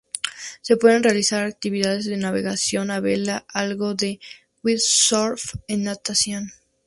Se pueden realizar actividades de navegación a vela, algo de windsurf y natación.